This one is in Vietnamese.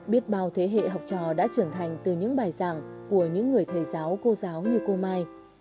biết bao thế hệ học trò đã trưởng thành từ những bài giảng của những người thầy giáo cô giáo như cô mai